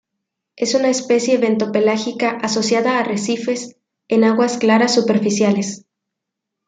Es una especie bento-pelágica, asociada a arrecifes, en aguas claras superficiales.